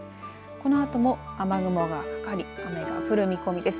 このあとも雨雲がかかり雨が降る見込みです。